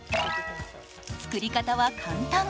作り方は簡単。